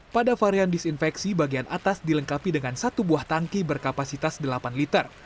pada varian disinfeksi bagian atas dilengkapi dengan satu buah tangki berkapasitas delapan liter